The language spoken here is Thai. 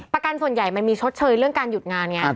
ประกันส่วนใหญ่มันมีชดเชยเรื่องการหยุดงานไง